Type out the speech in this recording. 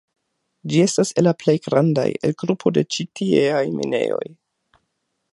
Ĝi estas el la plej grandaj el grupo de ĉi tieaj minejoj.